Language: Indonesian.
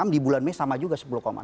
enam di bulan mei sama juga sepuluh enam